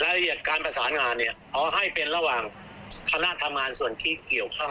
ละเอียดการประสานงานเนี่ยขอให้เป็นระหว่างคณะทำงานส่วนที่เกี่ยวข้อง